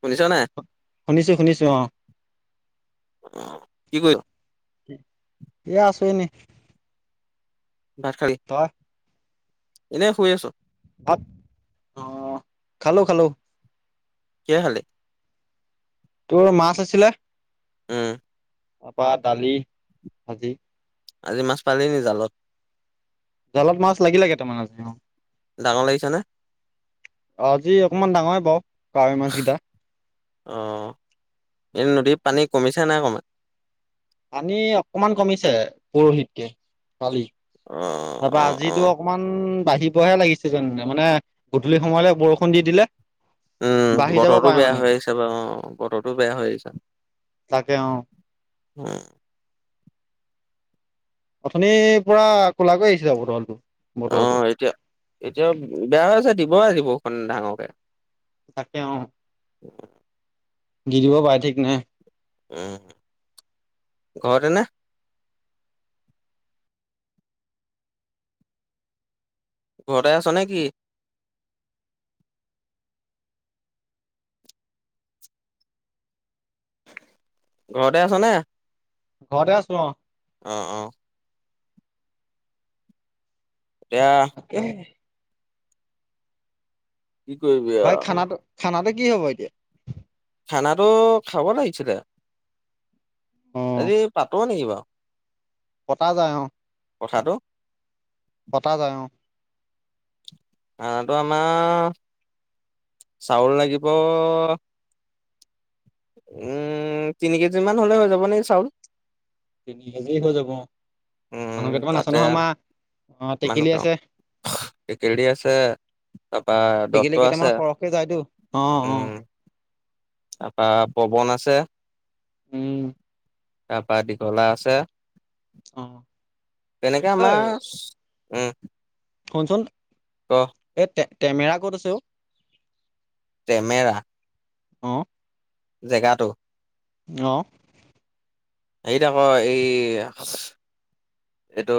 শুনিছ নাই? শুনিছো শুনিছো অ। অ কি কৰি এয়া আছো এনে। ভাত খালি? ত‌ই? এনেই শুই আছো। ভাত অ খালো খালো। কিহে খালি? তোৰ মাছ আছিলে। উম। তাৰ পৰা দালি, ভাজি। আজি মাছ পালি নি জালত? জালত মাছ লাগিলে কেইটামান আজি অ। ডাঙৰ লাগিছেনে? অ আজি অকণমান ডাঙয়েই বাৰু কাৱৈ মাছকেইটা। অঁ। এই নদীৰ পানী কমিছে নাই কমা? পানী অকমান কমিছে, পৰহিতকে পালি। অ। তাৰপা অ', আজিতো অ', অকমান বাঢ়িবহে লাগিছে যেন, মানে গধূলি সময়লে বৰষুণ দি দিলে। উম। বাঢ়ি যাব বতৰতো পাৰে বেয়া মানে হৈ আহিছে বাৰু অ, বতৰটো বেয়া হৈ আহিছে। তাকে অ হয় [unintelligible] অথনিৰ পৰা ক'লা আহিছিল বতৰটো। অ বতৰটো এতিয়া, এতিয়া বেয়া হৈছে দিব আজি বৰষুণ ডাঙৰকে। তাকে অ। দি দিব পাৰে ঠিক নাই। উম ঘৰতে নে ঘৰতে আছ নেকি? ঘৰতে আছ নে? ঘৰতে আছো অ। অ অ এতিয়া তাকেহে কি কৰিবি আ ভাই খানাটো খানাটো কি হ'ব এতিয়া খানাটো খাব লাগিছিলে অ আজি পাতো নেকি বাৰু পতা যায় অ। কথাটো পতা যায় অ খানাটো আমাৰ চাউল লাগিব, উম তিনি কেজি মান হ'লে হৈ যাব নিকি চাউল তিনি কেজি হৈ যাব অ মানুহ উম কেইটামান আছে তাতে নহয় আমাৰ অ টেকেলি মানুহ আছে টেকেলি আছে তাৰপা দত্ত টেকেলি আছে কেইটামান সৰহকে যায়তো অ অ। তাপা পৱন আছে উম তাপা দীঘলা আছে অ তেনেকে ঐ আমা উম শুনচোন ক এ তে তেমেৰা ক'ত আছে অ তেমেৰা অ জেগাটো অ হেৰিত অক এই এইটো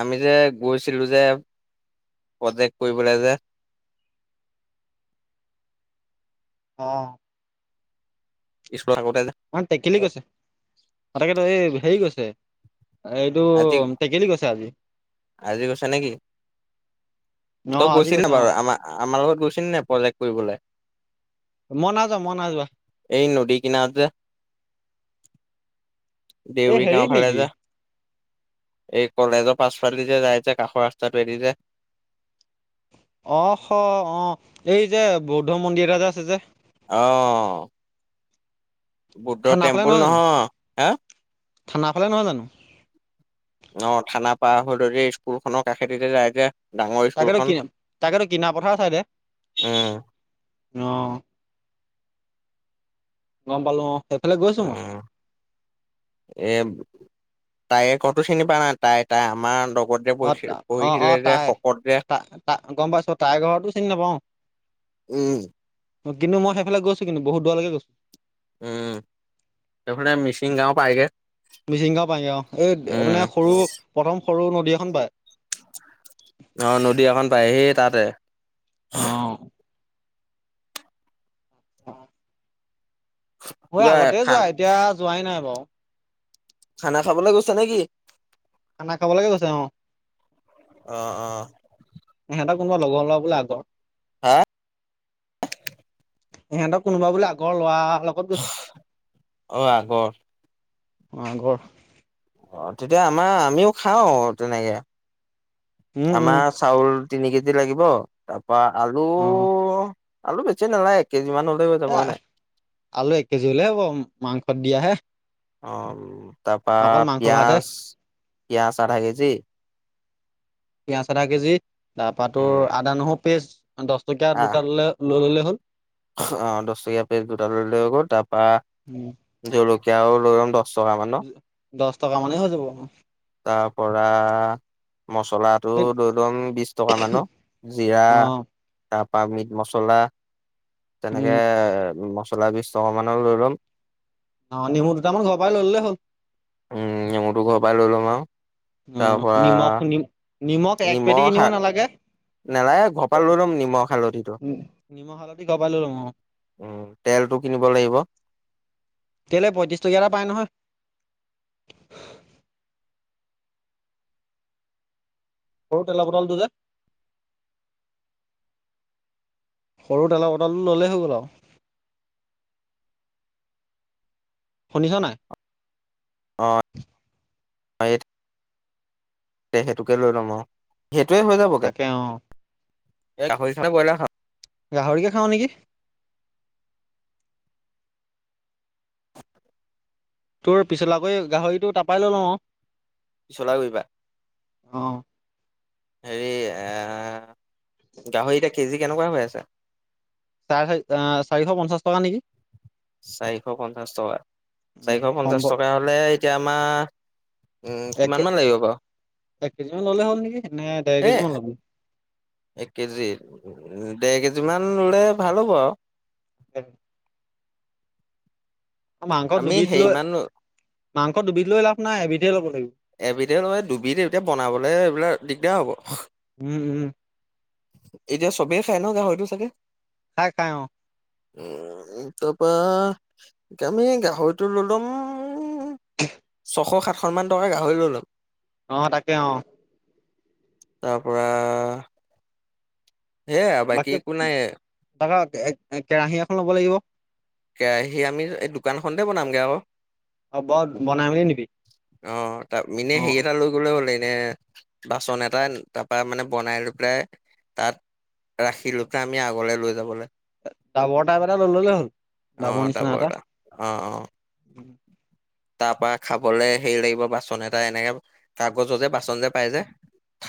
আমি যে গৈছিলোঁ যে প্ৰজেক্ট কৰিবলে যে অ স্কুলৰ আগতে যে মই টেকেলি গৈছো তাকেটো এ হেৰি গৈছে এইটো আজি টেকেলি গৈছে আজি। আজি গৈছা নেকি অ তই আজি গৈছিল নে গৈছে অ বাৰু আমা আ আমাৰ লগত গৈছিলি নাই প্ৰজেক্ট কৰিবলে ম না যোৱা মই না যোৱা এই নদী কিনাৰত যে এই দেউৰি গাঁৱ হেৰিত ফালে নেকি যে এই কলেজৰ পাছফালেদি যে যাই যে কাষৰ ৰাস্তাটোৱে দি যে অ শ অ এই যে বৌদ্ধ মন্দিৰ এটা যে আছে যে অ বুদ্ধ থানাফালে টেম্পুল নহয় জানো হা থানাফালে নহয় জানো অ থানা পাৰ [unintelligible] দে স্কুল খনৰ কাষেদি কে যায় যে ডাঙৰ তাকেতো স্কুলখন কিনা তাকেতো কিনা পথাৰ চাই দে উম, অ গম পালো অ সেইফালে গৈছো মই উম, এ তাই কতো চিনি পাই নাই তাই তাই আমাৰ লগত যে অ পঢ়িছিল অ অ পঢ়িছিলে যে তাই শকত যে গম পাইছো তাইৰ ঘৰতো চিনি নাপাও উম অ কিন্তু হেইফালে গৈচো কিন্তু বহুত দূৰৰ লৈকে গইছো উম এইফালে মিচিং গাও পায়গে মিচিংগাঁও পায়গে অ এই মানে উম, সৰু প্ৰথম সৰু নদী এখন পায় অ নদী এখন পায় হেই তাতে অহ অ [unintelligible] মই কিবা আগতে খান যোৱা এতিয়া যোৱাই নাই বাও খানা খাবলে গৈছে নে কি? খানা খাবলৈকে গৈছে অ অ অ সিহঁতৰ কোনোবা লগৰ লৰা বোলে আগৰ হা ইহঁতক কোনোবা বুলি আগৰ লৰা অলপ ক'ত গৈছে অ', আগৰ অ ঘৰ অ তেতিয়া আমাৰ আমিও খাও তেনেকে উম উম আমাৰ চাউল তিনি কেজি লাগিব তাৰপৰা আলু অ আলু বেছি নালাগে এক কেজি মান হ'লে হৈ যাব এ হয় নাই আলু এক কেজি হলে হ'ব মাংসত দিয়াহে অ তাৰ পৰা অকল মাংস ভাতহে পিয়াজ পিয়াজ আধা কেজি পিয়াজ আধা কেজি তাৰপৰা তোৰ উম আদা নহৰু পেষ্ট দহ টকীয়া আহ দুটা ললে লৈ ল'লে হ'ল অ দহ টকীয়া পেষ্ট দুটা লৈ ল'লে হৈ গল তাৰপৰা উম, জলকীয়াও লৈ ল'ম দহ টকা মান দহ টকা মানেই হৈ যাব অ তাৰ পৰা মচলা টো লৈ লম বিশ টকা মানৰ জিৰা তাৰ পৰা মিট মছলা তেনেকে উম এ মছলা বিছ টকা মানৰ লৈ ল'ম অ নেমু দুটামান ঘৰৰ পৰাই ললে হ'ল উম নেমুটো ঘৰৰ পৰাই লৈ লম আও অ নিমখ নিমখ এক পেকেট কিনিব নালাগে নেলাগে ঘৰৰ পৰা লৈ লম নিমখ হালধিটো উম, নিমখ হালধি ঘৰৰপৰাই লৈ ল'ম অ অ তেলটো কিনিব লাগিব তেল এই পয়ত্ৰিছ টকীয়া এটা পায় নহয়। সৰু তেল বটলটো যে সৰু তেলৰ বটলটো লৈ ল'লে হৈ গল আও শুনিছ নাই অঁ এই [inaudible] সেইটোকে লৈ ল'ম অ সেইটোয়ে হৈ যাবগে তাকে অ গাহৰি খাব নে বইলাৰ খাম গাহৰিকে খাওঁ নেকি তোৰ পিছলাকৈ গাহৰিটো তাৰ পৰাই লৈ লম আও চলাগুৰিৰপা হেৰি--আঁ--হ গাহৰি এতিয়া কেজি কেনেকুৱা হৈ আছে? চাৰে চাৰি আঁ চাৰিশ পঞ্চাশ টকা নেকি? চাৰিশ পঞ্চাছ টকা। উম, চাৰিশ পঞ্চাছ সম্ভৱ টকা হ'লে এতিয়া আমাৰ উম, এক কিমান মান লাগিব বাৰু? এক কেজ মান লম। ল'লে হ'ল নেকি, নে দেৰ এ কেজিমান ল'বি? এক কেজি, দেৰ কেজি মান ল'লে ভাল হ'ব আৰু। এক মাংস আমি দুবিধ লৈ হেৰিমান মাংস দুবিধ লৈ লাভ নাই, এবিধে ল'ব লাগিব। এবিধে ল' এ দুবিধ এতিয়া বনাবলে এইবিলাক দিগ্‌দাৰ হ'ব। উম, উম। এতিয়া চবেই খাই ন' গাহৰিটো চাগে? খাই, খাই অঁ। উম--তাৰপৰা আমি গাহৰিটো ললুং অঁও ছশ, সাতশ মান টকাৰ গাহৰি ল'লো। অঁ তাকে অঁ। তাৰপৰা সেইয়াই বাকী একো নাই। তাৰপৰা কে--কেৰাহী এখন ল'ব লাগিব। কেৰাহী আমি এই দোকানখনতে বনামগে আৰু। আৰু বৰ বনাই মেলি নিবি অ', তাৰ মিনে অ হেৰি এটা ল তোলৌ লিনে বাচন এটা তাৰপা মানে বনাই লৈ পেলাই তাত ৰাখিলোঁতা, আমি আগলে লৈ যাবলে। ডাৱৰ তাপ এটা লৈ ললে হ'ল। ডাবৰ অঁ, নিচিনা ডাৱৰ এটা। অঁ, অঁ। তাৰপা খাবলে হেৰি লাগিব, বাচন এটা এনেকে কাগজ যে বাচন যে পাই যে।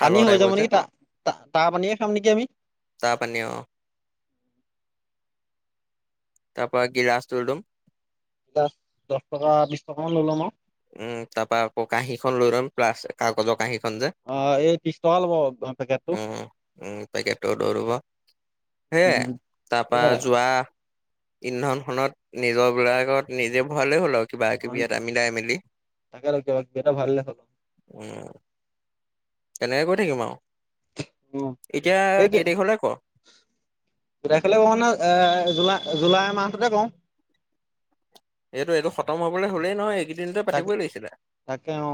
পানী হৈ টাইপৰ যাব যে নেকি তাত্‌? তা, তাৰ পানীয়ে খাম নেকি আমি? তাৰপানী অঁ'। তা পা গিলাছ লৈ লম। তাত্‌ দহটকা বিশটকা মান লৈ ল'ম আও। উম, তাপা আকৌ কাঁহীখন লৈ লম। প্লাছ কাগজৰ কাঁহীখন যে। অ এই ত্ৰিশ টকা ল'ব পেকেটটো উম, উম উম পেকেতটো লৈ লবা। হেয়ে উম তা পা সেয়াই যোৱা ইন্ধনখনত নিজৰ বিলাকত নিজে ভৰালেই হ'ল আও কিবা-কিবি এটা মিলাই -মেলি। তাকেটৌ, কিবা-কিবি এটা ভৰাই ললেই হ'ল। উম। তেনেকে গৈ থাকিম আও। উম, এ টি এম হলে ক? গোটেই খালে কঁৱুনা? এ-জুলাই, জুলাই মাহটোতে কৰোঁ। এইটো, এইটো খতম হবলৈ হলেই নহয়। এইকেইদিনতে তাকে পাতিবই লাগিছিলে। তাকে অ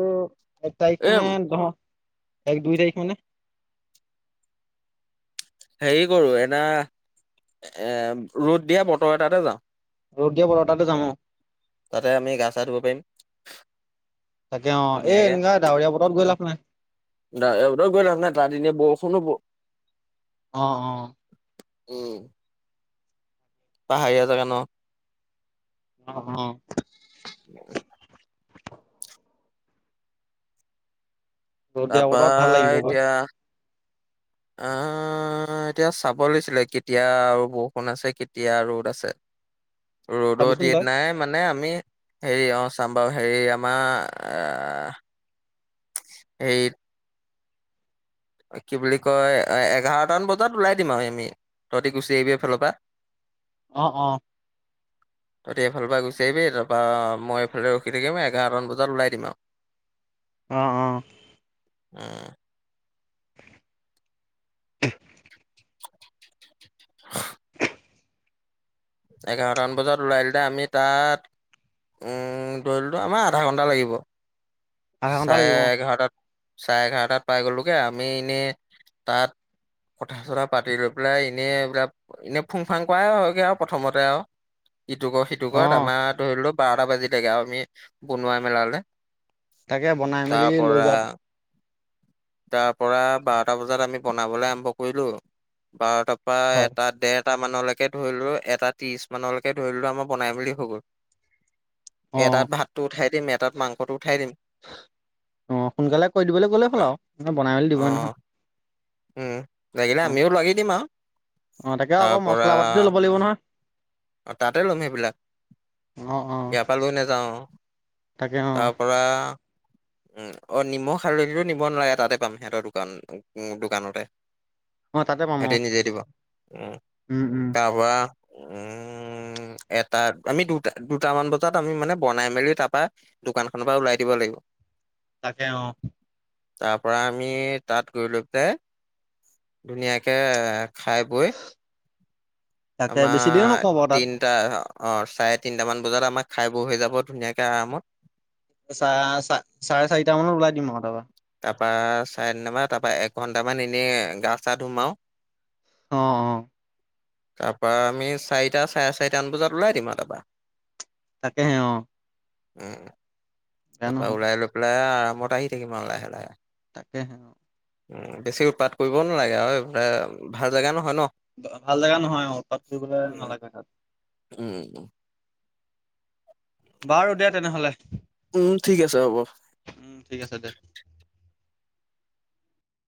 অঁ, এক তাৰিখ এ মানে? নহয়, এক -দুই তাৰিখ মানে? হেৰি কৰো, এটা এ ৰ'দ দিয়া বতৰ এটাতে যাওঁ। ৰ'দ দিয় বতৰ এটাতে যাম অঁ। তাতে আমি গা- চা ধুব পাৰিম। তাকে অ, এ ধুনীয়াকে। এনেকুৱা ডাৱৰীয়া বতৰত গৈ লাভ নাই। ডাৱৰীয়া বতৰত গৈ লাভ নাই, তাত এনে বৰষুণু ব- অ অ। উম। পাহাৰীয়া জাগা ন? উম উম। [unintelligible] ৰ'দ দিয়া তাৰপা বতৰত ভাল লাগিব গৈ এতিয়া- আহ- অ', এতিয়া চাব লাগছিলে, কেতিয়া আৰু বৰষুণ আছে, কেতিয়া ৰ'দ আছে। ৰ'দত চাবিচোন তই সেইনাই মানে আমি- হেৰি অ চাম বাৰু হেৰি আমাৰ হেৰিত- কি বুলি কয় এঘাৰটান বজাত ওলাই দিম আৰু আমি। তহতি গুচি আহিবি এইফালৰ পা। অ অ। ততি এইফালৰ পৰা গুচি আহিবি, তাৰপৰা মই এইফালে ৰখি থাকিম, এঘাৰটামান বজাত ওলাই দিম আৰু। অ অ। উম। [unintelligible] এঘাৰটামান বজাত ওলাই দিলে আমি তাত- উম ধৰি লোৱা আমাৰ আধা ঘণ্টা লাগিব। আধা ঘন্টা চাৰে লাগিব এঘাৰটাত, চাৰে এঘাৰটাত পাই গ'লোগে আমি এনেই তাত কথা চথা পাতি লৈ পেলাই এনেই এইবিলাক এনে ফুং ফাং কৰাই হয়গে আৰু প্ৰথমতে আৰু। ইটো কৰ, সিটো অ কৰ, আমাৰ ধৰি ল বাৰটা বাজি থাকে আৰু আমি বনোৱা মেলালে। তাকে বনাই তাৰ মেলি লৈ পৰা যোৱাত তাৰ পৰা বাৰটা বজাত আমি বনাবলৈ আৰম্ভ কৰিলো। বাৰটাৰ পৰা হয় এটা ডেৰট- টা মানলৈকে ধৰিলো এটা ত্ৰিশ মানলৈকে ধৰিলো আমাৰ বনাই মেলি হৈ গ'ল। অ এটাত ভাতটো উঠাই দিম। এটাত মাংসটো উঠাই দিম। অ সোনকালে কৰি দিবলৈ গ'লেই হ'ল আৰু, বনাই মেলি অ দিবই নহয়। লাগিলে আমিও লগি দিম আৰু। অঁ তাকে তাৰ আকৌ মছলা পাতিটো ল'ব লাগিব নহয়। অ তাতে ল'ম সেইবিলাক। অ অ ইয়াৰ পৰা লৈ নাযাওঁ। তাকে অ তাৰ পৰা উম। অ নিমখ হালধিটো নিব নালাগে তাতে পাম সিহঁতৰ দোকান উ দোকানতে। অ তাতে পাম অ সেতি নিজে দিব। উম। উম উম। তাপা, উম। উম এটাত আমি দুটা দুটামান বজাত আমি মানে বনাই মেলি তাৰপা দোকান খনৰ পৰা ওলাই দিব লাগিব। তাকে অ। তাৰ পৰা আমি তাত গৈ লৈ পেলাই, ধুনীয়াকে এ খাই বৈ, তাকে বেছি দেৰিও আমাৰ নকওঁ বাৰু তাত তিন অঁ চাৰে তিনিটামান বজাত আমাৰ খাই বৈ হৈ যাব ধুনীয়াকৈ আৰামত। চা চা চাৰে চাৰিটা মানত ওলাই দিম আও তাৰপৰা। তাৰপা চাৰে তিনটা পা তাৰ পৰা এঘন্টামান এনেই গা চা ধুম আও। অ অ তাৰপৰা আমি চাৰিটা চাৰে চাৰিটামান বজাত ওলাই দিম আৰু তাৰপৰা তাকেহে অ উম বেয়া তাপা নহয় ওলাই লৈ পেলাই আৰামত আহি থাকিম আৰু লাহে লাহে। তাকে হে উ বেছি উৎপাত কৰিব নালাগে আৰু এইফালে ভাল জেগা নহয় ন ভাল জেগা নহয় অ উৎপাত কৰিবলে নালাগে তাত। উম উম বাৰু দে তেনে হলে উম ঠিক আছে হ'ব। উম ঠিক আছে দে।